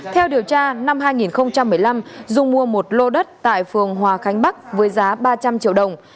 theo điều tra năm hai nghìn một mươi năm dung mua một lô đất tại phường hòa khánh bắc với giá ba trăm linh triệu đồng